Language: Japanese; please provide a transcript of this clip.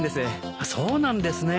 そうなんですね。